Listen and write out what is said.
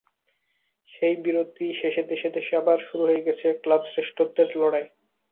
সেই বিরতি শেষে দেশে দেশে আবার শুরু হয়ে গেছে ক্লাব শ্রেষ্ঠত্বের লড়াই।